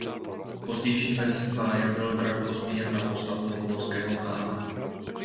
V pozdějších verzích báje byl drak pozměněn na postavu mongolského chána.